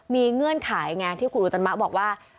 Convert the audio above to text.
มีเงื่อนขายไงที่ขุดอุตสรรมาบอกว่า